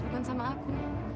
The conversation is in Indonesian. bukan sama aku